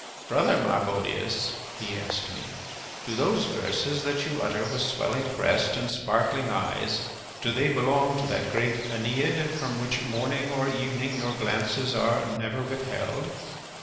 "Brother Marbodius," he asked me, "do those verses that you utter with swelling breast and sparkling eyes—do they belong to that great 'Æneid' from which morning or evening your glances are never withheld?"